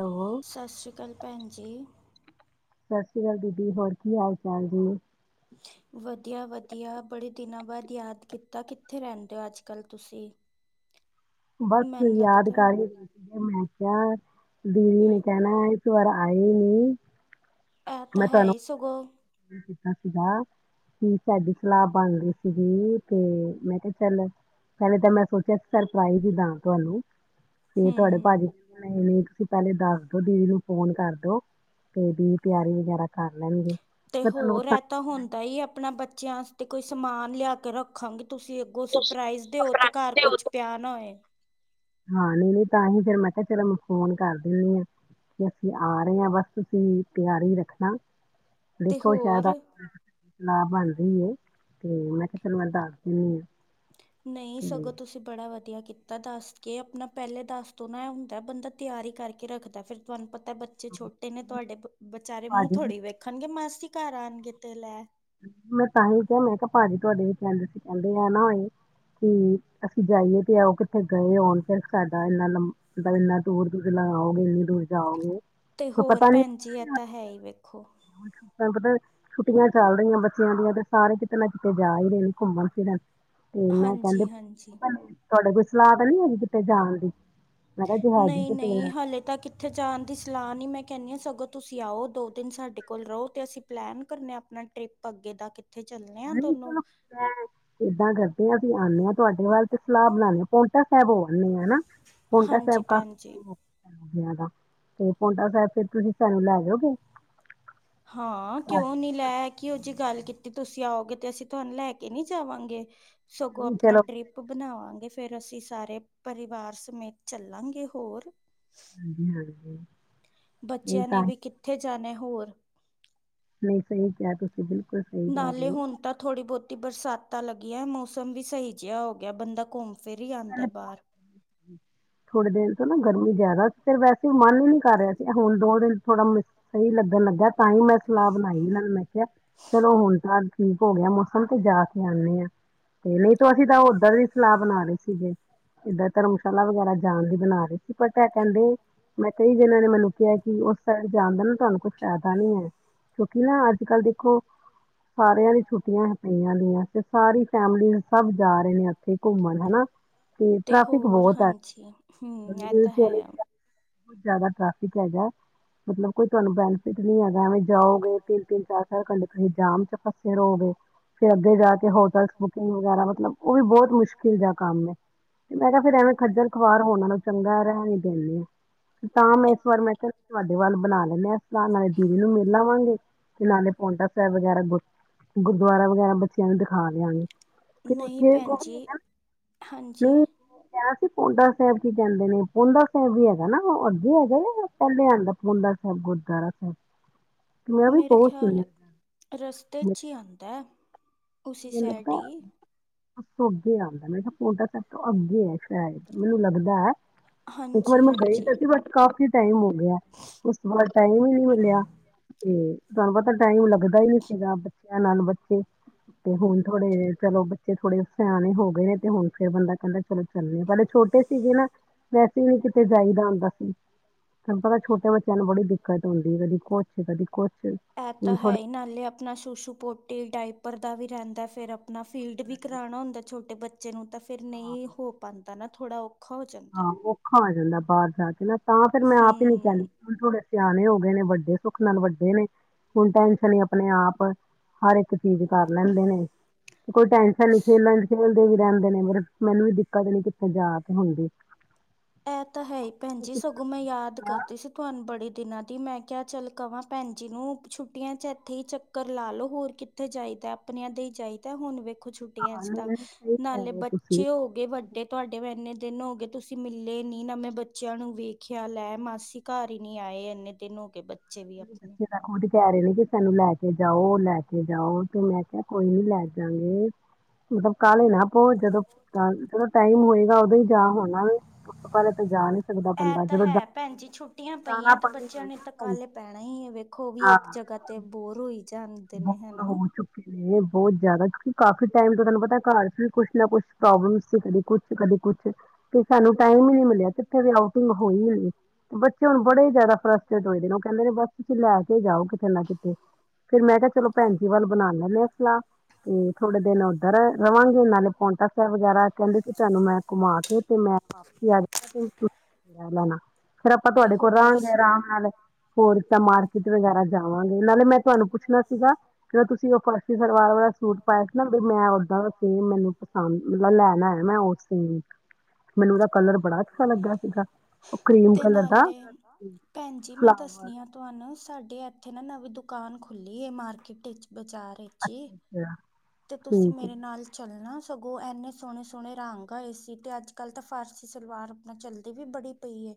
Hello, ਸਤਿ ਸ਼੍ਰੀ ਅਕਾਲ ਭੈਣ ਜੀ ਸਤਿ ਸ਼੍ਰੀ ਅਕਾਲ ਦੀਦੀ ਹੋਰ ਕੀ ਹਾਲ ਚਾਲ ਜੇ ਵਧੀਆ ਵਧੀਆ ਬੜੇ ਦਿਨਾਂ ਬਾਅਦ ਯਾਦ ਕੀਤਾ ਕਿੱਥੇ ਰਹਿੰਦੇ ਹੋ ਅੱਜ ਕੱਲ ਤੁਸੀਂ ਬਸ ਮੈਨੂੰ ਯਾਦ ਲੱਗਦਾ ਕਰ ਹੀ ਸੀਗੇ ਮੈਂ ਕਿਹਾ ਦੀਦੀ ਨੇ ਕਹਿਣਾ ਉਸ ਤੋਂ ਬਾਅਦ ਆਈ ਨੀ ਇਹ ਤਾਂ ਮੈਂ ਹੈ ਤੁਹਾਨੂੰ ਹੀ ਫੋਨ ਸਗੋਂ ਕੀਤਾ ਸੀਗਾ ਕੀ ਸਾਡੀ ਸਲਾਹ ਬਣ ਰਹੀ ਸੀਗੀ ਤੇ ਮੈਂ ਕਿਹਾ ਚੱਲ ਪਹਿਲੇ ਤਾਂ ਮੈਂ ਸੋਚਿਆ ਸਰਪ੍ਰਾਈਜ਼ ਹੀ ਦਾਂ ਤੁਹਾਨੂੰ ਤੇ ਤੁਹਾਡੇ ਹਮ ਭਾਜੀ ਨਹੀਂ ਨਹੀਂ ਤੁਸੀਂ ਪਹਿਲੇ ਦੱਸ ਦੋ ਦੀਦੀ ਨੂੰ ਫੋਨ ਕਰਦੋ ਤੇ ਦੀਦੀ ਤਿਆਰੀ ਵਗੈਰਾ ਕਰ ਲੈਣਗੇ ਤੇ ਮੈਂ ਤੁਹਾਨੂੰ ਹੋਰ ਐ ਤਾਂ ਹੁੰਦਾ ਹੀ ਆਪਣਾ ਬੱਚਿਆਂ ਤੇ ਕੋਈ ਸਮਾਨ ਲਿਆ ਕੇ ਰੱਖਾਂਗੀ ਤੁਸੀਂ ਸਰਪ੍ਰਈਜ਼ ਦਿਓ ਤੇ ਘਰ ਕੁਛ ਪਿਆ ਨਾ ਹੋਏ ਹਾਂ ਨਹੀਂ ਨਹੀਂ ਤਾਂ ਹੀ ਫਿਰ ਮੈਂ ਕਿਹਾ ਚਲੋ ਫੋਨ ਕਰ ਦਿੰਦੀ ਆ ਅਸੀਂ ਆ ਰਹੇ ਹਾਂ ਬਸ ਤੁਸੀਂ ਤਿਆਰੀ ਰੱਖਣਾ ਤੇ ਦੇਖੋ ਸ਼ਾਇਦ ਹੋਰ ਨਾ ਬੰਦੀ ਹੈ ਤੇ ਮੈਂ ਕਿਹਾ ਚੱਲ ਮੈਂ ਦੱਸ ਦੇਣੀ ਆ ਨਹੀਂ ਸਗੋਂ ਤੁਸੀਂ ਬੜਾ ਵਧੀਆ ਕੀਤਾ ਦੱਸ ਕੇ ਆਪਣਾ ਪਹਿਲੇ ਦੱਸ ਤੋਂ ਨਾ ਹੁੰਦਾ ਬੰਦਾ ਤਿਆਰੀ ਕਰਕੇ ਰੱਖਦਾ ਫਿਰ ਤੁਹਾਨੂੰ ਪਤਾ ਬ ਬੱਚੇ ਛੋਟੇ ਨੇ ਤੁਹਾਡੇ ਵਿਚਾਰੇ ਭਾਅ ਮੂੰਹ ਜੀ ਥੋੜੀ ਵੇਖਣਗੇ ਮਾਸੀ ਘਰ ਆਉਣਗੇ ਤੇ ਲੈ ਮੈਂ ਤਾਂ ਹੀ ਕਿਹਾ ਮੈਂ ਕਿਹਾ ਭਾਜੀ ਤੁਹਾਡੇ ਦੀ [unintelligible] ਚਲਦੀ ਨਾ ਹੋਈ ਅਸੀਂ ਜਾਈਏ ਤੇ ਆਓ ਕਿੱਥੇ ਗਏ ਹੋਣ ਫਿਰ ਸਾਡਾ ਇੰਨਾ ਲੰ ਇੰਨਾ ਦੂਰ ਤੁਸੀਂ ਲਓਗੇ ਇੰਨੀ ਦੂਰ ਜਾਓਗੇ ਤੇ ਕੋਈ ਹੋਰ ਪਤਾ ਨਹੀਂ ਭੈਣ ਜੀ ਇਹ ਤਾਂ ਹੈ ਹੀ ਵੇਖੋ ਹੁਣ ਤੁਹਾਨੂੰ ਪਤਾ ਛੁੱਟੀਆਂ ਚੱਲ ਰਹੀਆਂ ਬੱਚਿਆਂ ਦੀਆਂ ਤੇ ਸਾਰੇ ਕਿਤੇ ਨਾ ਕਿਤੇ ਜਾ ਹੀ ਰਹੇ ਨੇ ਘੁੰਮਣ ਫਿਰਨ ਤੇ ਮੈਂ ਕਹਿੰਦੇ ਹਾਂਜੀ ਹਾਂਜੀ ਤੁਹਾਡੇ ਕੋਈ ਸਲਾਹ ਤਾਂ ਨੀ ਹੈਗੀ ਕਿਤੇ ਜਾਣ ਦੀ ਮੈਂ ਕਿਹਾ ਜੇ ਹੈਗੀ ਨਹੀਂ ਤੇ ਫਿਰ ਨਹੀਂ ਹਲੇ ਤੱਕ ਉੱਥੇ ਜਾਣ ਦੀ ਸਲਾਹ ਨਹੀਂ ਮੈਂ ਕਹਿੰਦੀ ਹਾਂ ਸਗੋਂ ਤੁਸੀਂ ਆਓ ਦੋ ਦਿਨ ਸਾਡੇ ਕੋਲ ਰਹੋ ਅਤੇ ਅਸੀਂ ਪਲੈਨ ਕਰਨ ਹਾਂ ਆਪਣਾ ਟਰਿਪ ਪੱਗੇ ਦਾ ਕਿੱਥੇ ਚੱਲੇ ਆ ਨਹੀਂ ਦੋਨੋ ਚਲੋ ਮੈਂ ਇੱਦਾਂ ਕਰਦੇ ਹਾਂ ਅਸੀਂ ਆਉਂਦੇ ਹਾਂ ਤੁਹਾਡੇ ਵੱਲ ਤੇ ਸਲਾਹ ਬਣਾਉਦੇ ਹੈ ਪੌਟਾ ਸਾਹਿਬ [unintelligible] ਪੌਟਾ ਸਾਹਿਬ ਹਾਂਜੀ ਕਾ ਭੈਣ ਜੀ ਬੱਚਿਆਂ ਦਾ ਤੇ ਪੋਂਟਾ ਸਾਹਿਬ ਫਿਰ ਤੁਸੀਂ ਸਾਨੂੰ ਲੈ ਜਾਓਗੇ ਹਾਂ ਕਿਉਂ ਨਹੀਂ ਲੈ ਕੇ ਉਹ ਜਿਹੀ ਗੱਲ ਕੀਤੀ ਤੁਸੀਂ ਆਓਗੇ ਤੇ ਅਸੀਂ ਤੁਹਾਨੂੰ ਲੈ ਕੇ ਨਹੀਂ ਜਾਵਾਂਗੇ ਸਗੋਂ ਹਾਂਜੀ, ਆਪਣਾ ਚਲੋ ਟਰਿਪ ਬਣਾਵਾਂਗੇ ਫਿਰ ਅਸੀਂ ਸਾਰੇ ਪਰਿਵਾਰ ਸਮੇਤ ਚੱਲਾਂਗੇ ਹੋਰ ਜੀ ਹਾਂਜੀ ਨਹੀਂ ਬੱਚਿਆਂ ਨੇ ਤਾਂ ਹੀ- ਵੀ, ਕਿੱਥੇ ਜਾਣੇ ਹੋਰ? ਨਹੀਂ ਸਹੀ, ਕਿਹਾ ਤੁਸੀ। ਨਾਲੇ ਹੁਣ ਤਾਂ, ਥੋੜ੍ਹੀ ਬਹੁਤੀ ਬਰਸਾਤਾਂ ਲੱਗੀਆਂ, ਮੌਸਮ ਵੀ, ਸਹੀ ਜਿਹਾ ਹੋ ਗਿਆ, ਬੰਦਾ ਘੁੰਮ ਫਿਰ ਹੀ ਆਂਦਾ ਪਹਿਲੇ ਬਾਹਰ। ਥੋੜੇ ਦਿਨ ਤੋਂ ਨਾ, ਗਰਮੀ ਜ਼ਿਆਦਾ ਫਿਰ ਵੈਸੇ। ਅਂ ਮਨ ਹੀ ਨੀ ਕਰ ਰਿਹਾ ਸੀ, ਹੁਣ ਦੋ ਦਿਨ ਥੋੜਾ ਮ ਸਹੀ ਲੱਗਣ ਲੱਗਿਆ। ਤਾਂ ਹੀ ਮੈਂ ਸਲਾਹ ਬਣਾਈ, ਇਹਨਾਂ ਨੇ ਮੈਂ ਕਿਹਾ ਚਲੋ ਹੁਣ ਤਾਂ। ਠੀਕ ਹੋ ਗਿਆ, ਮੌਸਮ ਤੇ ਜਾ ਕੇ, ਆਉਂਦੇ ਹਾਂ, ਤੇ ਨਹੀਂ ਤ ਅਸੀਂ ਤਾਂ ਉੱਧਰ ਵੀ, ਸਲਾਹ ਬਣਾ ਰਹੇ। ਇੱਦਾਂ ਧਰਮਸ਼ਾਲਾ ਵਗੈਰਾ, ਜਾਣ ਲਈ ਬਣਾ ਰਹੇ। ਪਤਾ ਇਹ ਕਹਿੰਦੇ, ਮੈਂ ਕਈ ਜੰਨਾ ਨੇ ਮੈਨੂੰ ਕਿਹਾ, ਕਿ ਉਸ ਸ। ਜਾਂਣਦੇ, ਤੁਹਾਨੂੰ ਕੁਛ ਫਾਇਦਾ ਨੀ ਹੈ। ਕਿਉਂਕਿ ਨਾ, ਅੱਜ ਕੱਲ ਦੇਖੋ, ਸਾਰਿਆਂ ਦੀ ਛੁੱਟੀਆਂ ਪਈਆਂ ਦੀਆਂ। ਤੇ ਸਾਰੀ ਫੈਮਿਲੀ ਸਭ ਜਾ ਰਹੇ ਨੇ ਇੱਥੇ ਘੁੰਮਣ ਹੈਨਾ। ਤੇ ਟ੍ਰੈਫਿਕ ਹੋਰ ਬਹੁਤ ਹੈ, ਹਾਂਜੀ ਹਮ ਤੇ। ਇਹ ਤਾਂ ਹੈ ਤ ਜਿਆਦਾ, ਟ੍ਰੈਫਿਕ ਹੈਗਾ, ਮਤਲਬ ਕੋਈ, ਤੁਹਾਨੂੰ ਬੈਨੀਫਿਟ ਨਹੀਂ ਹੈਗਾ ਐਵੇਂ ਜਾਓਗੇ, ਤਿੰਨ- ਤਿੰਨ, ਚਾਰ -ਚਾਰ, ਘੰਟੇ, ਤੁਸੀਂ ਜਾਮ ਚ ਫਸੇ ਰਹੋਗੇ। ਫਿਰ, ਅੱਗੇ ਜਾ ਕੇ, ਹੋਟਲ ਬੁਕਿੰਗ ਵਗੈਰਾ, ਮਤਲਬ ਉਹ ਵੀ ਬਹੁਤ ਮੁਸ਼ਕਿਲ ਜਾ। ਕੰਮ ਤੇ ਮੈਂ ਕਿਹਾ, ਫੇਿਰ ਐਵੇਂ ਖੱਜਲ ਖੁਆਰ ਹੋਣਾ ਨੂੰ ਚੰਗਾ ਰਹਿਣ ਦੇਨੀ ਆ। ਤਾਂ, ਮੈਂ, ਇਸ ਵਾਰ ਮੈਂ ਕਿਹਾ। ਵੱਲ ਬਣਾ ਲੈਂਦੇ ਹਾਂ, ਸਲਾਹ ਨਾਲੇ ਦੀਵ ਨੂੰ ਮੇਿਲ ਲਵਾਂਗੇ, ਤੇ ਨਾਲੇ ਪੋਂਂਟਾ ਸਾਹਿਬ ਵਗੈਰਾ ਗੁ ਗੁਰਦੁਆਰਾ ਵਗੈਰਾ, ਬੱਚਿਆਂ ਨੂੰ ਦਿਖਾ ਦਿਆਂਗੇ ਤੇ ਨਹੀਂ ਉੱਥੇ ਭੈਣ ਜੀ ਹਾਂਜੀ। ਨਹੀਂ ਕਿਹਾ ਸੀ, ਪੋਂਡਾ ਸਾਹਿਬ ਕੀ ਕੈਂਦੇ ਨੇ, ਪੋਂਡਾ ਸਾਹਿਬ ਵੀ ਹੈਗਾ ਨਾ, ਉਹ ਅੱਗੇ ਹੈਗਾ ਆ, ਪਹਿਲੇ ਆਂਦਾ ਪੌਂਡਾ ਸਾਹਿਬ, ਗੁਰਦੁਆਰਾ ਸਾਹਿਬ ਮੈਂ ਵੀ ਮੇਰੇ ਬਹੁਤ ਖਿਆਲ, ਸੁਣਿਆ ਰਸਤੇ 'ਚ ਹੀ ਆਉਂਦਾ, ਉਸਸੀ ਸਾਈਡ ਹੀ ਬੱਸ ਅੱਗੇ ਆਉਂਦਾ ਮੈਂ ਕਿਹਾ ਪੌਂਡਾ, ਸਭ ਤੋਂ ਅੱਗੇ ਆ ਸ਼ਾਇਦ ਮੈਨੂੰ ਲੱਗਦਾ ਹੈ। ਇੱਕ ਵਾਰ, ਹਾਂਜੀ ਮੈਂ ਗਈ ਹਾਂਜੀ ਤਾਂ ਸੀ, ਬਸ ਕਾਫ਼ੀ ਟਾਈਮ ਹੋ ਗਿਆ। ਬਾ ਟਾਈਮ ਹੀ ਨੀ ਮਿਲਿਆ, ਤੇ ਤੁਹਾਨੂੰ ਪਤਾ ਟਾਈਮ ਲੱਗਦਾ ਹੀ ਨੀ। ਇਹਨਾਂ, ਬੱਚਿਆਂ ਨਾਲ ਬੱਚੇ। ਤੇ ਹੁਣ, ਥੋੜੇ ਚਲੋ, ਬੱਚੇ ਥੋੜੇ ਸਿਆਣੇ ਹੋ ਗਏ, ਤੇ ਹੁਣ ਫੇਰ, ਬੰਦਾ ਕਹਿੰਦਾ ਚਲੋ ਚੱਲੇ। ਪਹਿਲੇ, ਛੋਟੇ ਸੀਗੇ ਨਾ, ਵੈਸੇ ਨੀ, ਕਿਤੇ ਜਾਈਦਾ ਹੁੰਂਦਾ ਸੀ। ਤੁੈਨੂੰ, ਪਤਾ ਛੋਟੇ ਬੱਚਿਆਂ ਨੂੰ, ਬੜੀ ਦਿੱਕਤ ਹੁੰਦੀ ਹੈ, ਕਦੀ ਕੁਛ, ਕਦੀ ਕੁਛ ਇਹ, ਹੁਣ ਤਾਂ ਹੈ ਥੋੜੇ ਹੀ, ਨਾਲੇ ਆਪਣਾ ਸੁਸ਼ੂ ਪੋਟੀ, ਡਾਇਪਰ ਦਾ ਵੀ ਰਹਿੰਦਾ ਹੈ, ਫਿਰ ਨਾ, ਫੀਲਡ ਵੀ ਕਰਉਣਾ ਹੁੰਦਾ ਛੋਟੇ ਬੱਚੇ ਨੂੰ, ਤਾਂ ਫਿਰ ਨਹੀਂ ਹੋ ਪਾਉਂਦਾ, ਨਾ ਥੋੜ੍ਹਾ ਉਹ ਖਾ, ਜਾਂ, ਤਾਂ। ਆ ਜਾਂਦਾ, ਬਾਹਰ ਜਾ ਕੇ ਨਾ, ਤਾਂ ਫੇਿਰ ਮੈਂ ਆਪ ਹੀ ਨਹੀਂ ਹਮ ਕਹਿੰਦੀ। ਹੁਣ, ਥੋੜੇ ਸਿਆਣੇ ਹੋ ਗਏ ਨੇ, ਵੱਡੇ ਸੁੱਖ ਨਾਲ ਵੱਡੇ ਨੇ ਹੁਣ ਟੈਨਸ਼ਨ ਹੀ। ਆਪਣੇ, ਆਪ, ਹਰ ਇਕ ਚੀਜ਼ ਕਰ ਲੈਂਦੇ ਨੇ ਤੇ ਕੋਈ, ਟੈਸ਼ਨ ਨੀ ਖੇਲਣ ਖੇਲਦੇ ਵੀ ਰਹਿੰਦੇ ਨੇ, ਮਤਬ ਮੈਨੂੰ ਵੀ ਦਿੱਕਤ ਨੀ ਕਿਥਤੇ ਜਾ ਤੇ ਹੁੰਦੀ। ਇਹ ਤਾਂ ਹੈ, ਹੀ ਭੈਣਜੀ, ਅਸੀਂ ਬਣਾ ਸਗੋਂ ਮੈਂ ਲਿਆ ਯਾਦ ਸਲਾਹ। ਕਰਦੀ ਸੀ, ਤੁਹਾਨੂੰ ਬੜੇ ਦਿਨਾਂ। ਦੀ ਮੈਂ ਕਿਹਾ, ਚੱਲ ਕਵਾਂ ਭੈਣ ਜੀ ਨੂੰ, ਛੁੱਟੀਆਂ ਚ ਇੱਥੇ ਹੀ ਚੱਕਰ ਲਾਲੋ ਹੋਰ ਕਿ। ਉੱਥੇ ਜਾਈਦਾ, ਆਪਣਿਆਂ ਦੇ ਹੀ ਜਾਈਦਾ, ਹੁਣ ਵੇਖੋ ਛੁੱਟੀਆਂ ਹਾਂ ਚ ਨਹੀਂ ਤਾਂ ਨਹੀਂ, ਸਹੀ ਕਹਿ ਨਾਲੇ ਰਹੇ ਹੋ ਤੁਸੀਂ ਬੱਚੇ ਹੋ। ਵੱਡੇ, ਤੁਹਾਡੇ, ਇੰਨੇ ਦਿਨ ਹੋ ਗਏ? ਤੁਸੀਂ ਮਿਲੇ ਨੀ, ਮੈਂ ਬੱਚਿਆਂ ਨੂੰ ਵੇਖਿਆ, ਲੈ ਮਾਸੀ ਘਰ ਹੀ ਨੀ ਆਏ, ਇੰਨੇ ਦਿਨ ਹੋ ਕੇ ਬੱਚੇ ਬੱਚੇ, ਵੀ ਆਪਣੇ। ਉਹ ਤੇ ਕਹਿ ਰਹੇ ਨੇ ਜੀ ਸਾਹਨੂੰ ਲੈ ਕੇ ਜਾਓ, ਲੈ ਕੇ ਜਾਓ। ਤੇ ਮੈਂ ਕਿਹਾ ਕੋਈ ਨੀ ਲੈ ਜਾਂਗੇ। ਮਤਲਬ ਕਾਲੀ ਨਾ ਕਰੋ ਜਦੋ, ਟਾਈਮ ਜਦੋ ਟਾਈਮ ਹੋਏਗਾ ਉਹਦੋਂ ਹੀ ਜਾ ਹੋਣਾ ਏ। ਉਸ ਤੋ ਪਹਿਲਾਂ ਤੇ ਜਾ ਨੀ ਇਹ ਤਾਂ ਹੈ ਭੈਣ ਜੀ ਛੁੱਟੀਆਂ ਦਾਣਾ ਪਈਆਂ, ਤੇ ਪਾਣੀ ਹੋਏ ਬੱਚਿਆਂ ਨੇਂ ਨਾ ਤੇ ਭੈਣ ਜੀ ਕਾਲੇ ਪੈਂ ਨਹੀਂ, ਇਹ ਵੇਖੋ ਵੀ ਇੱਕ ਜਗਾਹ ਤੇ ਬੋਰ ਹੋਈ ਜਾਂਦੇ [unintelligible] ਨੇ ਹਨਾ ਇਹ ਬਹੁਤ ਜਿਆਦਾ, ਕਿਉਂਕਿ ਕਾਫੀ ਟਾਈਮ ਤੋਂ ਤੁਹਾਨੂੰ ਪਤਾ ਏ ਘਰਾਂ 'ਚ ਵੀ ਕੁਛ ਨਾ ਕੁਛ ਪ੍ਰੋਬਲਮਸ ਏ। ਕਦੀ ਕੁਛ ਤੇ ਕਦੀ ਕੁਛ ਫਿਰ ਸਾਹਨੂੰ ਟਾਈਮ ਹੀ ਨੀ ਮਿਲਿਆ। ਕਿੱਥੇ ਵੀ ਆਊਟਿੰਗ ਹੋਈ ਈ ਨੀ। ਬੱਚੇ ਹੁਨ ਬੜੇ ਹੀ ਜਿਆਦਾ ਫਰਸਟ੍ਰੇਟ ਹੋਏ ਦੇ ਨੇਂ। ਉਹ ਕਹਿੰਦੇ ਨੇਂ, ਬਸ ਤੁਸੀ ਲੈ ਕੇ ਜਾਓ, ਕਿਤੇ ਨਾ ਕਿਤੇ। ਫਿਰ ਮੈਂ ਕਿਹਾ, ਚਲੋ ਭੈਨ ਜੀ ਵੱਲ ਬਨਾ ਲੈਨੇਂ ਹਾਂ ਸਲਾਹ। ਤੇ ਥੋੜੇ ਦਿਨ ਉੱਧਰ ਰਵਾਂਗੀ, ਨਾਲੇ ਪੌਂਟਾ ਸਾਹਿਬ ਵਗੈਰਾ ਕਹਿੰਦੇ ਸੀ ਤੁਹਾਨੂੰ ਮੈਂ ਘੁਮਾ ਕੇ ਤੇ ਮੈਂ ਵਾ [unintelligible] ਫਿਰ ਆਪਾਂ ਤੇ ਤੁਹਾਡੇ ਕੋਲ ਹੋਰ ਰਹਿਣਗੇ ਸ- ਆਰਾਮ ਨਾਲ। ਹੋਰ ਤਾ ਮਾਰਕੀਟ ਵਗੈਰਾ ਜਾਵਾਂਗੇ। ਨਾਲੇ ਮੈਂ ਤੁਹਾਨੂੰ ਪੁ ਛਿਆ ਸੀਗਾ, ਜਿਹੜਾ ਤੁਸੀ ਉਹ ਫਰਸੀ ਸਲਵਾਰ ਵਾਲਾ ਸੂਟ ਪਾਇਆ ਸੀ ਨਾ। ਬਈ ਮੈਂ ਉੱਹਦਾਂ ਦਾ ਸੇਮ ਸੂਟ ਪਸੰਦ, ਮਤਲਬ ਲੈਣਾ ਹੈ ਨਾ ਉਸੇ ਲਈ। ਮੈਨੂੰ ਉਹਦਾ ਕਲਰ ਬੜਾ ਅੱਛਾ ਲੱਗਿਆ ਸੀਗਾ। ਉਹ ਕਰੀਮ ਅਤੇ ਕਲਰ ਦਾ। ਨਾਲੇ ਭੈਣ ਜੀ ਮੈਂ ਫਲਾਵਰ ਦੱਸਦੀ ਹਾਂ ਤੁਹਾਨੂੰ, ਸਾਡੇ ਇੱਥੇ ਨਾ ਨਵੀਂ ਦੁਕਾਨ ਖੁੱਲੀ ਏ ਮਾਰਕੀਟ ਵਿਚ ਬਜਾਰੇ ਜੀ, ਤੇ ਤੁਸੀ ਠੀਕ ਹੈ ਮੇਰੇ ਨਾਲ ਚੱਲਨਾ, ਸਗੋਂ ਇੰਹਨੇਂ ਸੋਹਣੇ- ਸੋਹਣੇ ਰੰਗ ਆਏ ਸੀ। ਤੇ ਅੱਜ ਕੱਲ ਤਾ ਫਾਰਸੀ ਸਲਵਾਰ ਆਪਨਾ ਚੱਲਦੀ ਵੀ ਬੜੀ। ਪਈ ਏ,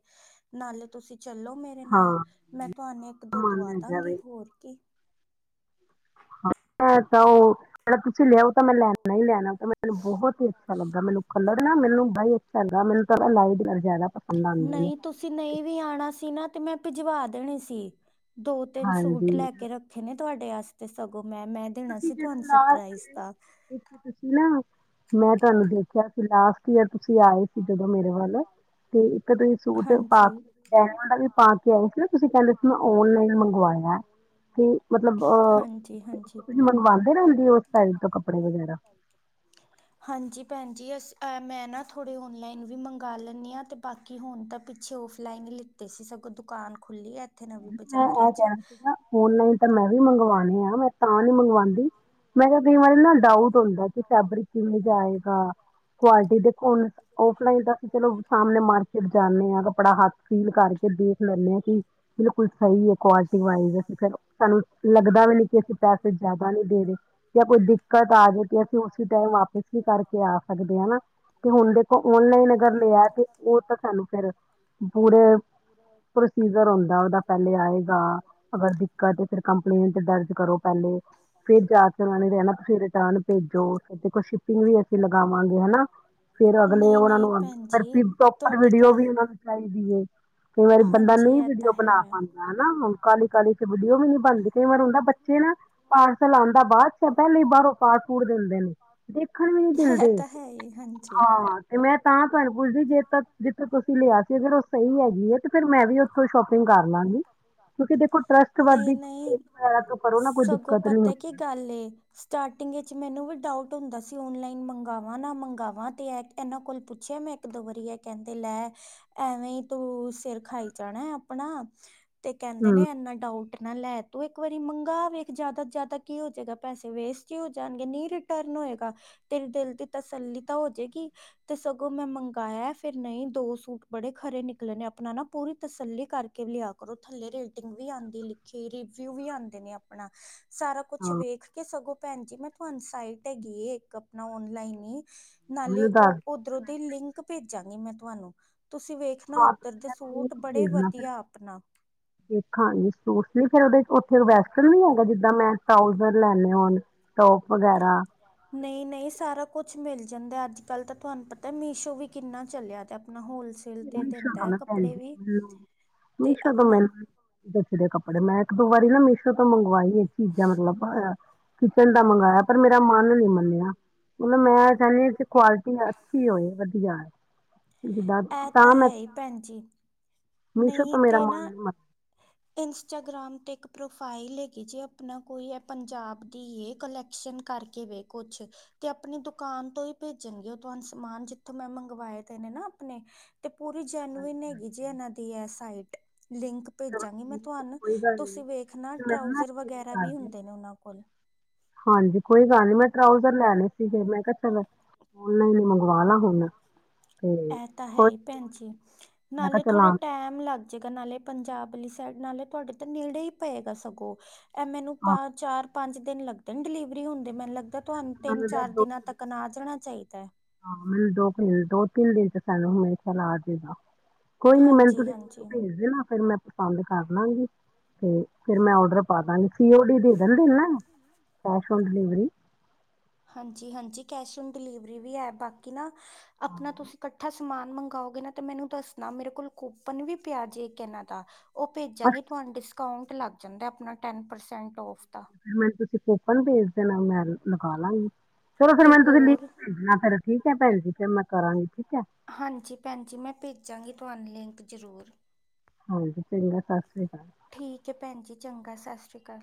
ਨਾਲੇ ਤੁਸੀ ਚੱਲੋ। ਮੇਰੇ ਹਾਂ ਨਾਲ, ਮੈਂ ਤੁਹਾਨੂੰ ਇੱਕ -ਦੋ ਮਨ ਦਵਾ ਹੈਗਾ ਦਾਂਗੀ। ਵੇ ਹੋਰ ਕੀ। ਹਾਂ ਐਹ ਤਾਂ ਉਹ। ਅਗਰ ਤੁਸੀ ਲਿਆਓ ਤਾਂ ਮੈਂ ਲੈਣਾ ਹੀ ਲੈਣਾ ਏ। ਓਹ ਤਾਂ ਮੈਨੂੰ ਬਹੁਤ ਹੀ ਅੱਛਾ ਲੱਗਿਆ। ਮੈਨੂੰ ਕਲਰ ਨਾ ਮੈਨੂੰ ਬਾਲਾ ਹੀ ਚੰਗਾ, ਮੈਨੂੰ ਤਾ ਨਾ ਲਾਈਟ ਕਲਰ ਜਿਆਦਾ ਪਸੰਦ ਆਉਂਦੇ ਨੇਂ। ਨਹੀਂ ਤੁਸੀਂ ਨਹੀਂ ਵੀ ਆਉਣਾ ਸੀ ਨਾ। ਤੇ ਮੈਂ ਭਿਜਵਾ ਦੇਣੇ ਸੀ। ਦੋ- ਤਿੰਨ ਸੂਟ ਹਾਂਜੀ ਲੈ ਕੇ ਰ ਖੇ ਨੇਂ ਤੁਹਾਡੇ ਵਾਸਤੇ ਸਗੋਂ ਮੈਂ, ਮੈਂ ਦੇਣਾ ਸੀ ਤੁਹਾਨੂੰ ਸਰਪ੍ਰਾਈਜ਼ ਤਾ। ਤੇ ਤੁਸੀਂ ਨਾ ਮੈਂ ਤੁਹਾਨੂੰ ਦੇਖਿਆ ਸੀ ਲਾਸਟ ਈਅਰ ਤੁਸੀ ਆਏ ਸੀ ਜਦੋਂ ਮੇਰੇ ਵੱਲ। ਤੇ ਇੱਕ ਤੁਸੀ ਸੂਟ ਪਾ ਹਾਂਜੀ ਕੇ ਗੋਲਡਨ ਪਾ ਕੇ ਆਏ ਸੀ ਨਾ। ਤੁਸੀ ਕਹਿੰਦੇ ਸੀ ਮੈਂ ਓਨਲਾਈਨ ਮੰਗਵਾਇਆ। ਤੇ ਮਤਲਬ ਅਹ ਤੇ ਹੁਨ ਤੁਸੀ ਮੰਗਵਾਉਂਦੇ ਰਹੁੰਦੇ ਹੋ, ਉਸ ਸਾਈਟ ਤੋ ਕੱਪੜੇ ਵਗੈਰਾ। ਹਾਂਜੀ। ਭੈਣ ਜੀ, ਅਸੀ ਆ ਮੈਂ ਨਾ ਥੋੜੇ ਓਨਲਾਈਨ ਵੀ ਮੰਗਾ ਲੈਂਨੀਂ ਹਾਂ। ਤੇ ਬਾ ਕਿ ਹੁਨ ਤਾ ਪਿੱਛੇ ਔਫਲਾਈਨ ਹੀ ਲਿੱਤੇ ਸੀ। ਸਗੋਂ ਦੁਕਾਨ ਖੁੱਲੀ ਹੈ। ਇੱਥੇ ਨਵੀਂ ਮੈਂ ਬਾਜ਼ਾਰ ਇਹ ਵਿੱਚ ਕਹਿਣਾ ਸੀਗਾ, ਓਨਲਾਈਨ ਤਾ ਮੈਂ ਵੀ ਮੰਗਵਾਉਨੀਆਂ ਮੈਂ ਤਾਂ ਨੀ ਮੰਗਵਾਉਂਦੀ ਮੈਂ ਕਿਹਾ ਕਈ ਵਾਰੀ ਨਾ ਡਾਊਟ ਹੁੰਦਾ ਏ, ਕਿ ਫੈਬਰਿਕ ਕਿਵੇਂ ਜਿਹਾ ਆਏਗਾ। ਕੁਆਲਿਟੀ ਦੇਖੋ ਹੁਨ, ਓਫਲਾਈਨ ਤਾ ਅਸੀ ਚਲੋ ਸਾਹਮਣੇ ਮਾਰਕੀਟ ਜਾਂਨੇਂ ਹਾਂ। ਕੱਪੜਾ ਹੱਥ ਚ' ਫੀਲ ਕਰਕੇ, ਦੇਖ ਲੈਂਨੇਂ ਹਾਂ, ਕਿ ਬਿਲਕੁਲ ਸਹੀ ਹੈ। ਕੁਆਲਿਟੀ ਵਾਈਜ਼, ਸਾਹਨੂੰ ਲੱਗਦਾ ਵੀ ਨੀ, ਕਿ ਅਸੀ ਪੈਸੇ ਜਿਆਦਾ ਨੀ ਦੇ ਰਹੇ। ਯਾ ਕੋਈ ਦਿੱਕਤ ਆ ਜਾਵੇ, ਤੇ ਅਸੀ ਉਸੀ ਟਾਈਮ ਵਾਪਿਸ ਵੀ ਕਰਕੇ ਆ ਸਕਦੇਆਂ। ਤੇ ਹੁਨ ਦੇਖੋ ਓਨਲਾਈਨ ਅਗਰ ਲਿਆ, ਤੇ ਉਹ ਤਾਂ ਸਾਨੂੰ ਫਿਰ ਪੂਰਾ ਪ੍ਰੋਸੀਜ਼ਰ ਹੁੰਦਾ ਏ ਉਹਦਾ ਪਹਿਲੇ ਆਏਗਾ। ਗਾ, ਅਗਰ ਦਿੱਕਤ ਏ ਫਿਰ ਕੰਪਲੇਂਟ ਦਰਜ ਕਰੋ ਪਹਿਲੇ। ਫਿਰ ਜਾ ਫਿਰ ਓਹਨੂੰ ਕਹਿਣਾ ਤੁਸੀ ਰਿਟਰਨ ਭੇਜੋ। ਤੇ ਦੇਖੋ ਸ਼ਿਪਿੰਗ ਵੀ ਅਸੀ ਲਗਾਵਾਂਗੇ, ਹੇਨਾ। ਫਿਰ ਅਗਲੇ ਨਹੀਂ ਉਹਨਾ ਨਹੀਂ ਨੂੰ ਅੱਗੇ, ਭੈਣ ਪਰ ਜੀ ਫਿਰ ਪ੍ਰੋਪਰ ਤੁਹਾਡੀ ਵੀਡੀਓ ਵੀ ਗੱਲ ਉਹਨਾਂ ਨੂੰ ਚਾਹੀਦੀ ਏ। ਕਈ ਵਾਰੀ ਬੰਦਾ ਹਾਂਜੀ ਨਹੀਂ ਇਹ ਤਾਂ ਵੀਡੀਓ ਹੈ। ਬਨਾ ਪਾਉਂਦਾ ਹੈਨਾ। ਹੁਨ ਕਾਹਲੀ-ਕਾਹਲੀ ਚ ਚ ਵਡੀਓ ਵੀ ਨੀ ਬਨਦੀ। ਕਈ ਵਾਰੀ ਹੁੰਦਾ ਏ, ਬੱਚੇ ਨਾ ਪਾਰਸਲ ਆਉਂਦਾ ਬਾਅਦ ਚੋ। ਪਹਿਲਾਂ ਹੀ ਬਾਹਰੋਂ ਫਾੜ ਫੂੜ ਦਿੰਦੇ ਨੇਂ। ਦੇਖਣ ਵੀ ਨੀ ਇਹ ਦਿੰਦੇ। ਤਾਂ ਹੈ ਹੀ ਹਾਂਜੀ ਹਾਂ! ਤੇ ਮੈਂ ਤਾਂ ਤੁਹਾਨੂੰ ਪੁੱਛਦੀ, ਜੇ ਤਾ ਫ ਤੁਸੀਂ ਲਿਆ ਸੀ ਫਰ ਉਹ ਸਹੀ ਹੈਗੀ ਹੈ ਤੇ ਫਿਰ ਮੈਂ ਵੀ ਉੱਥੋਂ ਸ਼ੋਪਿੰਗ ਕਰ ਲਾਂਗੀ, ਕਿਉਂਕਿ ਦੇਖੋ ਟਰਸਟ ਨਹੀਂ, ਨਹੀਂ ਸਗੋਂ ਦਿੱਕਤ ਨੀ ਪਤਾ ਕੀ ਹੁੰਦੀ, ਗੱਲ ਏ ਸਟਾਰਟਿੰਗ ਵਿੱਚ ਮੈਨੂੰ ਵੀ ਡਾਊਟ ਹੁੰਦਾ ਸੀ ਔਨਲਾਈਨ ਮੰਗਾਵਾਂ ਨਾ ਮੰਗਾਵਾਂ ਤੇ ਇਹਨਾਂ ਕੋਲ ਪੁੱਛਿਆ ਮੈਂ ਇੱਕ, ਦੋ ਵਰੀ ਇਹ ਕਹਿੰਦੇ ਲੈ ਐਵੇਂ ਹੀ ਤੂੰ ਸਿਰ ਖਾਈ ਜਾਣਾ ਆਪਣਾ ਤੇ ਕਹਿੰਦੇ ਨੇ ਹੂੰ, ਏੰਨਾ ਡਾਊਟ ਟ ਨਾ ਲੈ ਤੂੰ ਇੱਕ ਵਾਰੀ ਮੰਗਾ ਵੇਖ ਜ਼ਿਆਦਾ, ਜਿਆਦਾ ਕੀ ਹੋ ਜਾਏਗਾ ਪੈਸੇ ਵੇਸਟ ਹੀ ਹੋ ਜਾਣਗੇ ਨੀ ਰੀਟ ਟਰਨ ਹੋਏਗਾ ਤੇਰੇ ਦਿਲ ਦੀ ਤਸੱਲੀ ਤਾਂ ਹੋ ਜੇਗੀ ਤੇ ਸਗੋਂ ਮੈਂ ਮੰਗਾਇਆ ਫੇਰ ਨਹੀਂ ਦੋ ਸੂਟ ਬੜੇ ਖਰੇ ਨਿਕਲੇ ਨੇ ਆਪਣਾ ਨਾ ਪੂਰੀ ਤਸੱਲੀ ਕਰਕੇ ਲਿਆ ਕਰੋ ਥੱਲੇ ਰੇਟਿੰਗ ਵੀ ਆੰਦੀ ਲਿ ਕਿ ਰਿਵਿਊ ਵੀ ਆਉਂਦੇ ਨੇ ਆਪਣਾ ਸਾਰਾ ਕੁਛ ਹਾਂ ਵੇਖ ਕੇ ਸਗੋਂ ਭੈਣ ਜੀ ਮੈਂ ਤੁਹਾਨੂੰ ਸਾਈਟ ਭੇਜੀ ਏ ਇੱਕ ਆਪਣਾ ਓਨਲਾਈਨ ਏ ਨਾਲੇ ਮੈਨੂੰ ਦੱਸ ਔਹ ਦੀ, ਲਿੰਕ ਭੇਜਾਂਗੀ ਮੈਂ ਤੁਹਾਨੂੰ ਤੁਸੀਂ ਵੇਖ ਦਿਓ। ਦੇਖਣਾ ਹਾਂ ਉਧਰ ਤੁਸੀਂ ਦੇ ਮੈਨੂੰ ਸੂਟ ਬੜੇ ਵਧੀਆ ਆਪਣਾ ਦੇਖਾਂਗੇ ਸੂਟਸ ਨ ਫੇਰ ਉਹਦੇ ਔਥੇ ਵੈਸਟਰਨ ਵੀ ਹੈਗਾ ਜਿੱਦਾਂ ਮੈਂ ਟਰਾਊਜ਼ਰ ਲੈਂਣੇ ਹੋਣ ਟੋਪ ਵਗੈਰਾ ਨਹੀਂ, ਨਹੀਂ ਸਾਰਾ ਕੁਛ ਮਿਲ ਜਾਂਦਾ ਅੱਜ -ਕੱਲ੍ਹ ਤਾਂ ਤੁਹਾਨੂੰ ਪਤਾ ਮੀਸ਼ੋ ਵੀ ਕਿੰਨਾ ਚੱਲਿਆ ਤੇ ਆਪਣਾ ਹੋਲਸੇਲ ਤੇ ਮੀਸ਼ੋ ਦਿੰਦਾ ਤੋਂ ਹੈ ਨਾ ਭੈਣ ਕੱਪੜੇ ਜੀ ਵੀ ਮੈਨੂੰ ਤੇ ਮੀਸ਼ੋ ਤੋਂ ਮਿ ਆਪਣਾ ਜਚਦੇ ਕੱਪੜੇ ਮੈਂ ਇੱਕ, ਦੋ ਵਾਰੀ ਨਾ ਮੀਸ਼ੋ ਤੋਂ ਮੰਗਵਾਈ ਚੀਜ਼ਾਂ ਮਤਲਬ ਕਿਚਨ ਦਾ ਮੰਗਾਇਆ ਪਰ ਮੇਰਾ ਮਨ ਨਹੀਂ ਮੰਨਿਆ ਮਤਲਬ ਮੈਂ ਚਾਹੁੰਦੀ ਹ ਕੁਆਲਿਟੀ ਅੱਛੀ ਹੋਏ ਵਧੀਆ, ਜਿਦਾਂ ਇਹ ਤਾਂ ਹੈ ਹੀ ਭੈਣ ਜੀ, ਮੀਸ਼ੋ ਨਹੀਂ ਤੋਂ ਮੇਰਾ ਤੇ ਮਨ ਨਾ ਨਹੀਂ ਮੰਨਿਆ ਇੰਸਟਾਗ੍ਰਾਮ ਤੇ ਇੱਕ ਪ੍ਰੋਫਾਈਲ ਹੈਗੀ ਜੇ ਆਪਣਾ ਕੋਈ ਹੈ ਪੰਜਾਬ ਦੀ ਏ ਕਲੈਕਸ਼ਨ ਕਰਕੇ ਵੇ ਕੁਛ ਤੇ ਆਪਣੀ ਦੁਕਾਨ ਤੋਂ ਹੀ ਭੇਜਣਗੇ ਉਹ ਤੁਹਾਨੂੰ ਸਮਾਨ ਜਿੱਥੋਂ ਮੈਂ ਮੰਗਵਾਏ ਦੇ ਨੇ ਨਾ ਅਪਣੇ ਤੇ ਪੂਰੀ ਜੈਨੂਇਨ ਹੈਗੀ ਜੀ ਇਨਾਂ ਦੀ ਅ ਸਾਈਟ ਲਿੰਕ ਚਲੋ ਭੇਜਾਂਗੀ ਮੈਂ ਠੀਕ ਹੈ, ਤੁਹਾਨੂੰ, ਕੋਈ ਗੱਲ ਨਹੀਂ ਤੁਸੀਂ ਵੇਖਣਾ ਤੇ ਮੈਨੂੰ ਨਾ ਟਰਾਉਜ਼ਰ ਸ਼ੇਅਰ ਵਗੈਰਾ ਕਰ ਵੀ ਦਿਓ ਹੁੰਦੇ ਨੇ ਉਹਨਾਂ ਕੋਲ। ਹਾਂਜੀ, ਕੋਈ ਗੱਲ ਨਹੀਂ ਮੈਂ ਟਰਾਊਜ਼ਰ ਲੈਨੇ ਸੀ ਫਿਰ ਮੈਂ ਕਿਹਾ ਚਲੋ। ਔਨਲਾਈਨ ਹੀ ਮੰਗਵਾ ਲਾ ਹੁਣ। ਤੇ ਇਹ ਤਾਂ ਹੈ ਕੋਈ ਹੀ ਨੀ, ਭੈਣ ਜੀ, ਮੈਂ ਕਿਹਾ ਨਾਲੇ ਚਲ ਆ ਥੋੜ੍ਹਾ ਟੈਮ ਲੱਗ ਜੇਕਰ ਨਾਲੇ ਪੰਜਾਬ ਅਲੀ ਸਾਈਡ ਨਾਲੇ ਤੁਹਾਡੇ ਤੇ ਨੇੜੇ ਹੀ ਪਏਗਾ ਸਗੋਂ। ਇਹ ਮੈਨੂੰ ਹਾਂ, ਪਾਂ, ਚਾਰ ਪੰਜ ਦਿਨ ਲੱਗਦੇ ਡਿਲੀਵਰੀ ਹੁੰਦੇ ਮੈਨੂੰ ਲੱਗਦਾ ਭੈਣ ਤੁਹਾਨੂੰ ਜੀ, ਤਿੰਨ ਮੈਨੂੰ ਤਾਂ ਚਾਰ ਦੋ ਕੁ ਦਿਨਾਂ ਦਿਨ ਤੱਕ ਆ ਜਾਣਾ ਚਾਹੀਦਾ ਹੈ। ਹਾਂ ਦੋ ਤਿੰਨ ਦੋ ਤਿੰਨ ਦਿਨ ਹੀ ਸਾਨੂੰ ਹੋਏ ਨੇ ਸਾਨੂੰ ਆ ਜਾਏਗਾ। ਕੋਈ ਨੀ ਮੈਨੂੰ ਹਾਂਜੀ ਤੁਸੀਂ ਹਾਂਜੀ ਭੇਜ ਦੇਣਾ ਫਿਰ ਮੈਂ ਪਸੰਦ ਕਰ ਲਾਂਗੀ। ਤੇ ਫਿਰ ਮੈਂ ਓਡਰ ਪਾ ਦਾਂਗੀ ਸੀਓਡੀ ਦੇਦੇਣਗੇ ਨਾ? Cash on delivery. ਹਾਂਜੀ, ਹਾਂਜੀ ਕੈਸ਼ ਔਨ ਡਿਲੀਵਰੀ ਵੀ ਹੈ ਬਾਕੀ ਨ ਆਪਣਾ ਤੁਸੀਂ ਇਕੱਠਾ ਸਮਾਨ ਮੰਗਵਾਓਗੇ ਨਾ ਤੇ ਮੈਨੂੰ ਦੱਸਣਾ, ਮੇਰੇ ਕੋਲ ਕੂਪਨ ਵੀ ਪਿਆ ਜੇ ਇਕ ਇਹਨਾਂ ਦਾ। ਉਹ ਬਸ ਭੇਜਾਂਗੇ ਤੁਹਾਨੂੰ ਡਿਸਕਾਊਂਟ ਲੱਗ ਜਾਂਦਾ ਆਪਣਾ ਟੈਨ ਪਰਸੈਂਟ ਔਫ ਦਾ। ਫਿਰ ਮੈਨੂੰ ਤੁਸੀਂ ਕੂਪਨ ਭੇਜ ਦੇਣਾ ਮੈਂ ਲਗਾ ਲਾਗੀ। ਚਲੋ ਫਿਰ ਤੇ ਮੈਨੂੰ ਤੁਸੀਂ ਲਿੰਕ ਹੋਰ ਭੇਜਣਾ ਫੇਰ ਠੀਕ ਹੈ ਭੈਣ ਜੀ, ਫੇਰ ਮੈਂ ਕਰਾਂਗੀ ਠੀਕ ਹੈ। ਹਾਂਜੀ ਭੈਣ ਜੀ, ਮੈਂ ਭੇਜਾਂਗੀ ਤੁਹਾਨੂੰ ਲਿੰਕ ਜ਼ਰੂਰ ਹਾਂਜੀ ਚੰਗਾ ਸਤਿ ਸ੍ਰੀ ਅਕਾਲ। ਠੀਕ ਹੈ ਭੈਣ ਜੀ, ਚੰਗਾ ਸਤਿ ਸ਼੍ਰੀ ਅਕਾਲ।